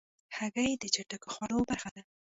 هګۍ د چټکو خوړو برخه ده.